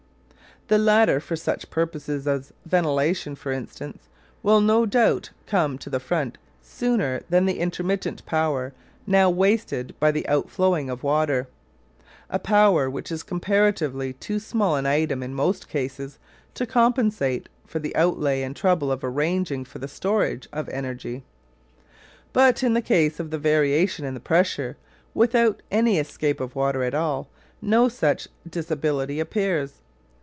The latter, for such purposes as ventilation, for instance, will no doubt come to the front sooner than the intermittent power now wasted by the outflowing of water a power which is comparatively too small an item in most cases to compensate for the outlay and trouble of arranging for the storage of energy. But in the case of the variation in the pressure, without any escape of water at all, no such disability appears.